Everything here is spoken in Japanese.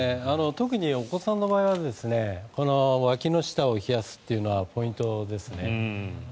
特にお子さんの場合はわきの下を冷やすというのはポイントですね。